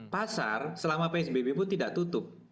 pasar selama psbb pun tidak tutup